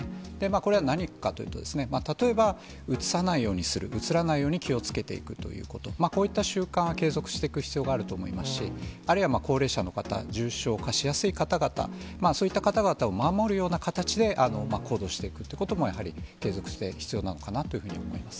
これは何かというと、例えば、うつさないようにする、うつらないように気をつけていくということ、こういった習慣は継続していく必要があると思いますし、あるいは高齢者の方、重症化しやすい方々、そういった方々を守るような形で行動していくってことも、やはり継続して、必要なのかなというふうに思います。